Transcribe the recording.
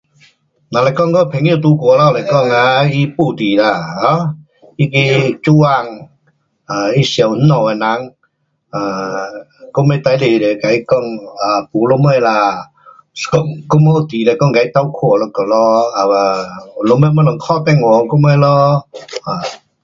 若是讲我朋友在外头来讲啊，他没伴啊 um 那个做工，um 他想那家的人，um 我们最多就跟他讲，没什么啦，是讲我目的是跟他讲帮他斗看一下，um 若什么东西打电话给我们咯。um